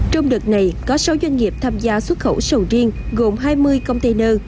trong đợt này có sáu doanh nghiệp tham gia xuất khẩu sầu riêng gồm hai mươi container